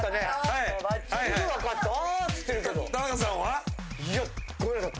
いやごめんなさい。